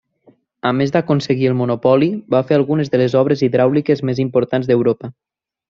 A més d'aconseguir el monopoli, va fer algunes de les obres hidràuliques més importants d'Europa.